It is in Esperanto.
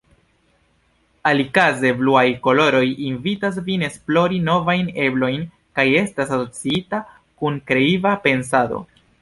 Alikaze, bluaj koloroj invitas vin esplori novajn eblojn kaj estas asociita kun kreiva pensado.